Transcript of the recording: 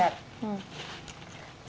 sangatlah sulit dan lihat